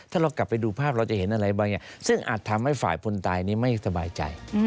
ถ้าเรากลับไปดูภาพเราจะเห็นอะไรบางอย่างซึ่งอาจทำให้ฝ่ายคนตายนี้ไม่สบายใจ